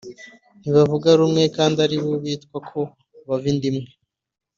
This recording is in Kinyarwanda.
Ntibavuga rumwe kandi ari bo bitwa ko bava inda imwe